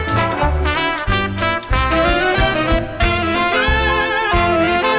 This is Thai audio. สวัสดีครับ